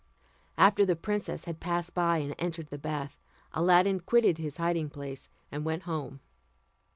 After the princess had passed by, and entered the bath, Aladdin quitted his hiding place, and went home.